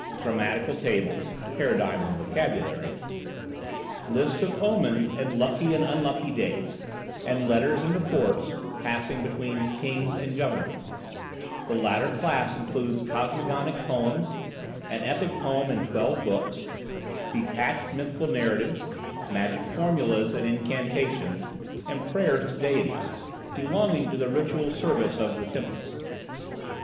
grammatical tables (paradigms and vocabularies), lists of omens and lucky and unlucky days, and letters and reports passing between kings and governors; the latter class includes cosmogonic poems, an epic poem in twelve books, detached mythical narratives, magic formulas and incantations, and prayers to deities (belonging to the ritual service of the temples).